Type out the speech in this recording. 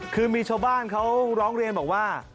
คือมีชาวบ้านเขาร้องเรียนบอกว่า